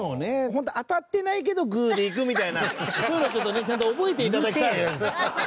ホントは当たってないけどグーでいくみたいなそういうのをちょっとねちゃんと覚えて頂きたい。